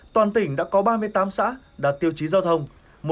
toàn tỉnh đã có ba mươi tám xã đạt tiêu chí giao thông